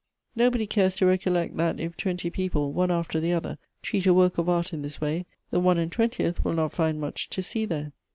Nobody cares to recollect that if twenty people, one after the other, treat a work of art in this way, the one and twcntieth will not find much to see there."